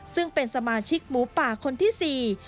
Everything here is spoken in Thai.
ซึ่งเป็นสมาชิกหมูป่าคนที่สี่